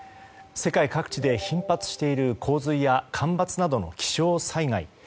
世界各地で頻発している洪水や干ばつなどの気象災害。